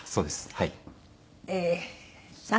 はい。